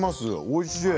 おいしい。